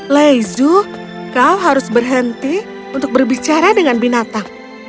lezu kau harus berhenti untuk berbicara dengan binatang